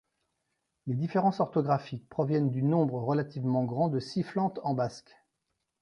Les différences orthographiques proviennent du nombre relativement grand de sifflantes en basque.